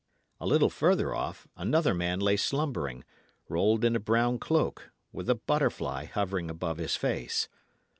A little further off, another man lay slumbering, rolled in a brown cloak, with a butterfly hovering above his face.